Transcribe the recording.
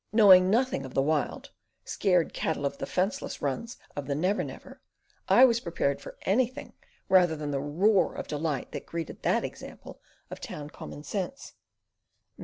Knowing nothing of the wild, scared cattle of the fenceless runs of the Never Never, I was prepared for anything rather than the roar of delight that greeted that example of town "common sense."